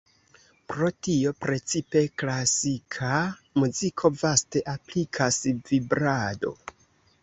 Pro tio precipe klasika muziko vaste aplikas vibrado.